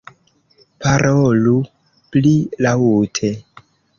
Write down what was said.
Parolu pli laŭte.